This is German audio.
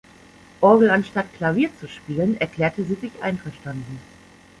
Orgel anstatt Klavier zu spielen, erklärte sie sich einverstanden.